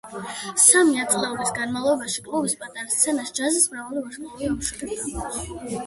სამი ათწლეულის განმავლობაში კლუბის პატარა სცენას ჯაზის მრავალი ვარსკვლავი ამშვენებდა.